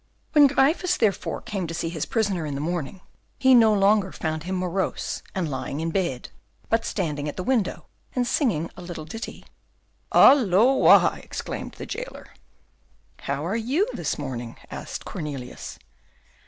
When Gryphus, therefore, came to see his prisoner in the morning, he no longer found him morose and lying in bed, but standing at the window, and singing a little ditty. "Halloa!" exclaimed the jailer. "How are you this morning?" asked Cornelius.